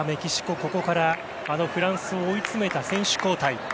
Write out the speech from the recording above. ここからあのフランスを追い詰めた選手交代。